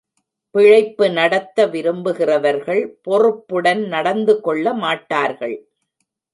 பிழைப்பு நடத்த விரும்புகிறவர்கள் பொறுப்புடன் நடந்துகொள்ள மாட்டார்கள்.